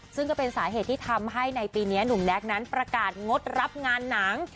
ซึ่งก็เป็นสาเหตุที่ทำให้ในปีนี้หนุ่มแน็กนั้นประกาศงดรับงานหนัง